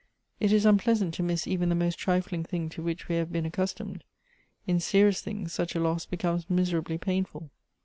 It is unpleasant to miss even the most trifling thing to which we have been accustomed. In serious things such a loss becomes miserably painful.